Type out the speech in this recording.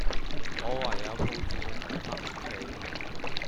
我唯有抱住佢行返屋企